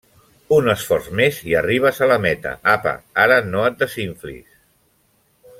Un esforç més i arribes a la meta. Apa, ara no et desinflis!